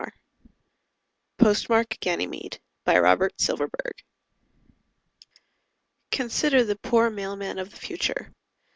net POSTMARK GANYMEDE By ROBERT SILVERBERG _Consider the poor mailman of the future.